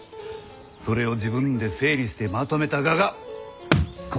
それを自分で整理してまとめたががこの本じゃ。